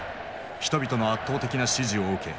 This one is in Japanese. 人々の圧倒的な支持を受け